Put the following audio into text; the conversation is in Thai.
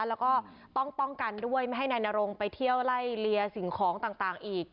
แล้วก็ต้องป้องกันด้วยไม่ให้นายนรงไปเที่ยวไล่เลียสิ่งของต่างอีก